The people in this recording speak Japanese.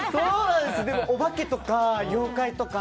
お化けとか妖怪とか。